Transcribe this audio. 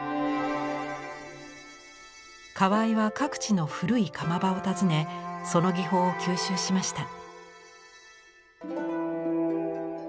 河井は各地の古い窯場を訪ねその技法を吸収しました。